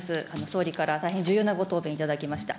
総理から大変重要なご答弁をいただきました。